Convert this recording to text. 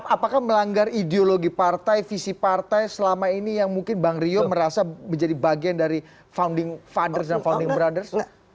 apakah melanggar ideologi partai visi partai selama ini yang mungkin bang rio merasa menjadi bagian dari founding fathers dan founding brother